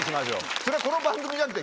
それこの番組じゃなくて。